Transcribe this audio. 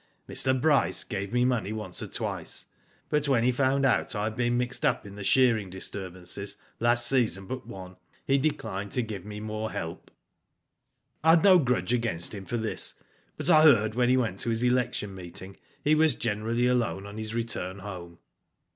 '' Mr. Bryce gave me money once or twice, but when he found out I had been mixed up in the shearing disturbances, last season but one, he declined to give me more help. Digitized byGoogk STARTLING RESULTS. 253 " I had no grudge against him for this, but I heard when he went to his election meeting he was generally alone on his return home.